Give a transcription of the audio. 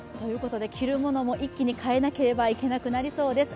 着るものも一気に変えなければいけなくなりそうです。